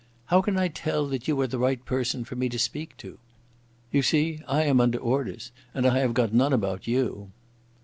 "How can I tell that you are the right person for me to speak to? You see I am under orders, and I have got none about you."